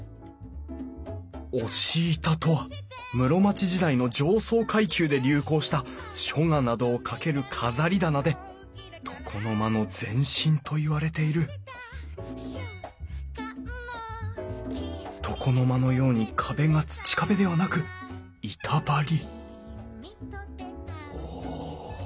押し板とは室町時代の上層階級で流行した書画などをかける飾り棚で床の間の前身といわれている床の間のように壁が土壁ではなく板張りおお。